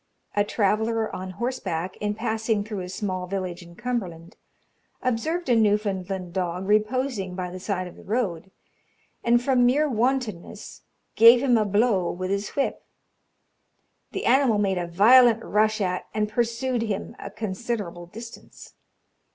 A traveller on horseback, in passing through a small village in Cumberland, observed a Newfoundland dog reposing by the side of the road, and from mere wantonness gave him a blow with his whip. The animal made a violent rush at and pursued him a considerable distance.